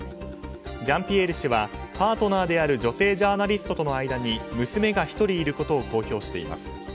ジャンピエール氏はパートナーである女性ジャーナリストとの間に娘が１人いることを公表しています。